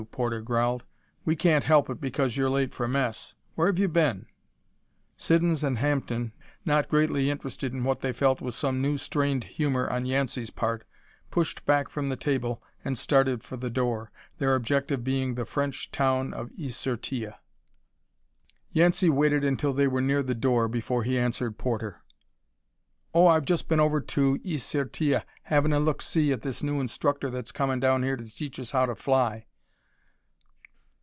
Porter growled. "We can't help it because you're late for mess. Where've you been?" Siddons and Hampden, not greatly interested in what they felt was some new strained humor on Yancey's part, pushed back from the table and started for the door, their objective being the French town of Is Sur Tille. Yancey waited until they were near the door before he answered Porter. "Oh, I've just been over to Is Sur Tille havin' a look see at this new instructor that's comin' down here to teach us how to fly."